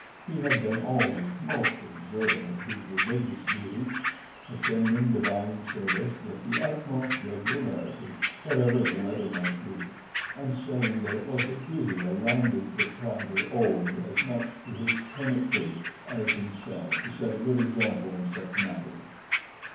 He had been always most observant of his religious duties, attending divine service with the utmost regularity whatever the weather might be, and saying that it was a duty a landed proprietor owed as much to his tenantry as himself to set a good example in such matters.